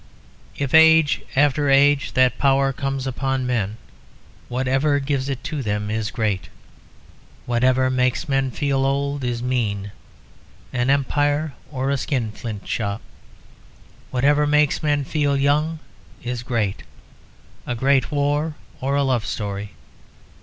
If age after age that power comes upon men, whatever gives it to them is great. Whatever makes men feel old is mean an empire or a skin flint shop. Whatever makes men feel young is great a great war or a love story.